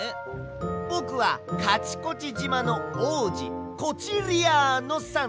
ぼくはカチコチじまのおうじコチリアーノ３せい！